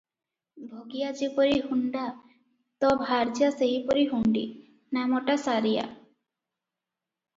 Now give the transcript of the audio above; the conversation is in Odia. ଭଗିଆ ଯେପରି ହୁଣ୍ତା, ତ ଭାର୍ଯ୍ୟା ସେହିପରି ହୁଣ୍ତୀ, ନାମଟା ସାରିଆ ।